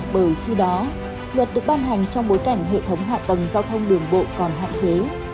bởi khi đó luật được ban hành trong bối cảnh hệ thống hạ tầng giao thông đường bộ còn hạn chế